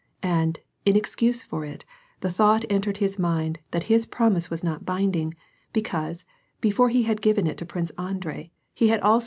And, in excuse for it, the thought entered his mind that his promise was not binding, because, before he had given it to Prince Andrei, he had also VOL.